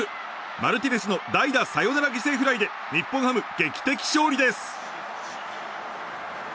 マルティネスの代打サヨナラ犠牲フライで日本ハム、劇的勝利です！